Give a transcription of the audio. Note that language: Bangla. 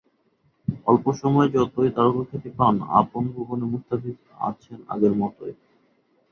অল্প সময়ে যতই তারকাখ্যাতি পান, আপন ভুবনে মুস্তাফিজ আছেন আগের মতোই।